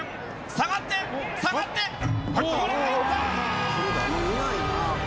下がって下がってこれは入った！